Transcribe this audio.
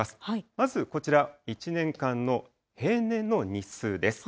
まずこちら、１年間の平年の日数です。